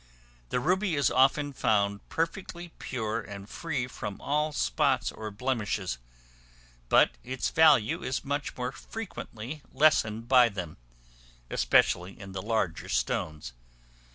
The ruby is often found perfectly pure and free from all spots or blemishes; but its value is much more frequently lessened by them, especially in the larger stones.